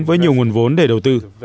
với nhiều nguồn vốn để đầu tư